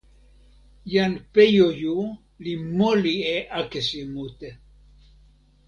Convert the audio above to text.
jan Pejoju li moli e akesi mute.